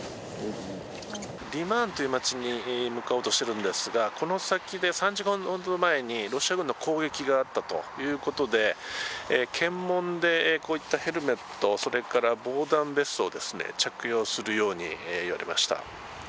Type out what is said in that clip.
リマンという町に向かおうとしてるんですが、この先で３時間ほど前にロシア軍の攻撃があったということで、検問でこういったヘルメット、それから防弾ベストを着用するように言われました。